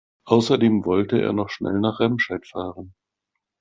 Außerdem wollte er noch schnell nach Remscheid fahren